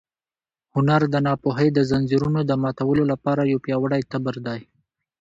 هنر د ناپوهۍ د ځنځیرونو د ماتولو لپاره یو پیاوړی تبر دی.